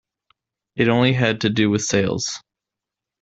It only had to do with sales.